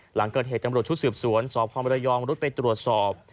หลังเกิดเหตุการณ์ชุดสืบสวนสอบความบริยองรุ่นไปตรวจสอบ